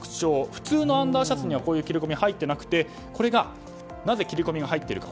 普通のアンダーシャツにはこういう切れ込みが入っていなくてなぜ切り込みが入っているか。